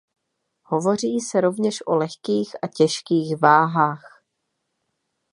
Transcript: Hovoří se rovněž o lehkých a těžkých vahách.